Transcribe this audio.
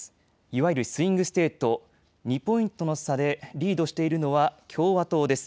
いわゆるスイング・ステート、２ポイントの差でリードしているのは共和党です。